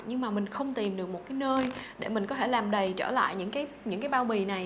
nhưng mà mình không tìm được một cái nơi để mình có thể làm đầy trở lại những cái bao bì này